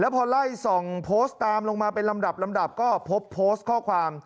แล้วพอไล่๒โพสต์ตามลงมาเป็นลำดับก็พบโพสต์ข้อความ